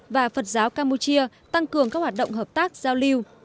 và phật giáo campuchia tăng cường các hoạt động hợp tác giao lưu